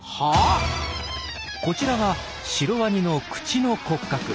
こちらはシロワニの口の骨格。